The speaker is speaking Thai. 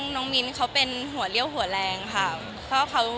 น้องมิ้นเขาเป็นหัวเลี่ยวหัวแรงค่ะ